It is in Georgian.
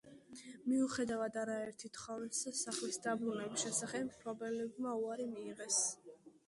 მიუხედავად არაერთი თხოვნისა სახლის დაბრუნების შესახებ, მფლობელებმა უარი მიიღეს.